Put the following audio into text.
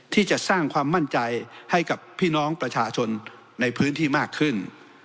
ที่จะสร้างความมั่นใจให้กับพี่น้องประชาชนในพื้นที่มากขึ้น